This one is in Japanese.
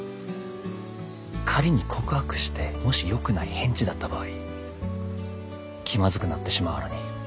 仮に告白してもしよくない返事だった場合気まずくなってしまうアラニ。